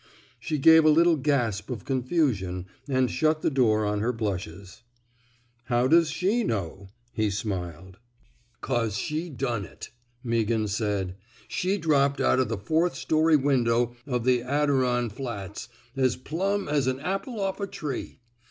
She gave a little gasp of confusion ^nd shut the door on her blushes. How does she know? '' he smiled. 282 NOT FOE PUBLICATION ^' 'Cause she done it/' Meaghan said. She dropped out o' the fourth story win dow o' the Adiron Flats, as plumb as an apple off a tree.